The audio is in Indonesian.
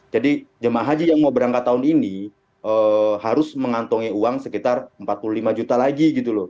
jadi jemaah haji yang mau berangkat tahun ini harus mengantongi uang sekitar rp empat puluh lima juta lagi